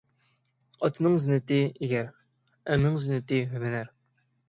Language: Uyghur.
ئاتنىڭ زىننىتى _ ئىگەر، ئەرنىڭ زىننىتى _ ھۈنەر.